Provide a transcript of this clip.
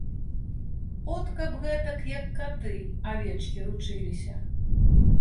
От каб гэтак, як каты, авечкі ручыліся.